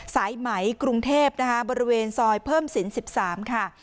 สายไหมกรุงเทพนะคะบริเวณซอยเพิ่มสิน๑๓ค่ะ